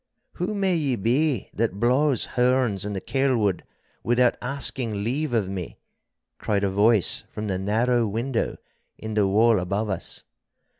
'Who may ye be that blaws horns in the Kelwood without asking leave of me?' cried a voice from the narrow window in the wall above us.